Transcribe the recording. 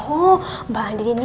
oh mbak andin ini